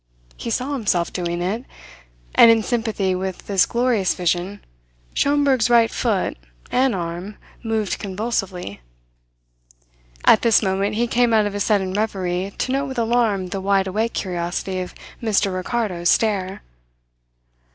He saw himself doing it; and in sympathy with this glorious vision Schomberg's right foot, and arm moved convulsively. At this moment he came out of his sudden reverie to note with alarm the wide awake curiosity of Mr. Ricardo's stare.